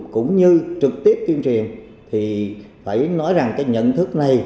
cũng như trực tiếp tuyên truyền thì phải nói rằng cái nhận thức này